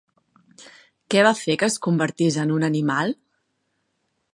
Què va fer que es convertís en un animal?